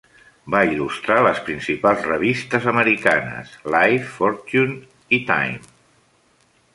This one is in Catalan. Va il·lustrar les principals revistes americanes: "Life", "Fortune" i "Time".